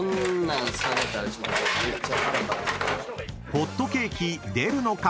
［ホットケーキ出るのか？］